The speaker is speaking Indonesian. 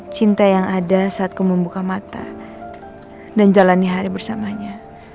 cinta yang ada saat kau membuka mata dan jalani hari bersamanya